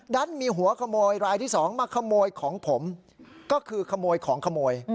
ดันมีหัวขโมยรายที่สองมาขโมยของผมก็คือขโมยของขโมย